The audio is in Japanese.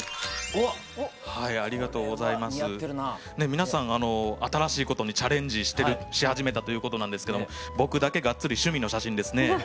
皆さんあの新しいことにチャレンジし始めたということなんですけど僕だけがっつり趣味の写真ですね。